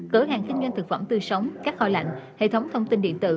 cửa hàng kinh doanh thực phẩm tươi sống các kho lạnh hệ thống thông tin điện tử